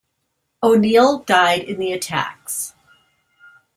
O'Neill died in the attacks.